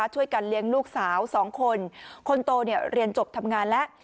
ช่วยกันเลี้ยงลูกสาว๒คนคนโตเนี่ยเรียนจบทำงานแล้ว